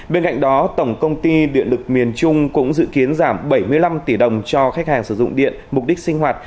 bên cạnh đó tổng công ty điện lực miền trung cũng dự kiến giảm bảy mươi năm tỷ đồng cho khách hàng sử dụng điện mục đích sinh hoạt